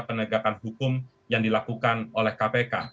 penegakan hukum yang dilakukan oleh kpk